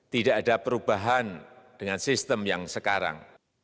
tidak ada perubahan dengan sistem yang sekarang